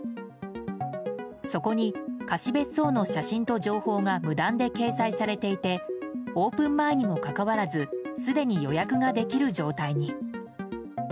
そこに貸別荘の写真と情報が無断で掲載されていてオープン前にもかかわらずすでに予約ができる状態に。